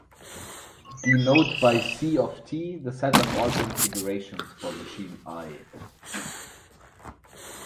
Denote by "C"("T") the set of all configurations for machine "i".